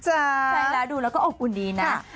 ใช่แล้วดูแล้วก็อบอุ่นดีนะ